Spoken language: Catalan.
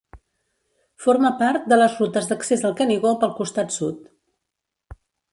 Forma part de les rutes d'accés al Canigó pel costat sud.